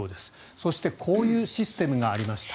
そしてこういうシステムがありました。